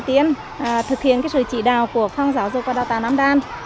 tiến thực hiện cái sự chỉ đào của phong giáo dô qua đạo tà năm đan